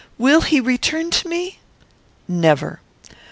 Will he return to me?" "Never."